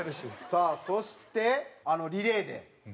さあそしてあのリレーで。